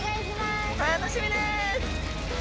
楽しみです。